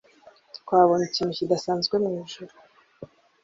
Twabonye ikintu kidasanzwe mwijuru.